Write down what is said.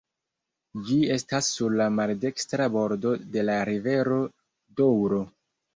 Ĝi estas sur la maldekstra bordo de la rivero Doŭro.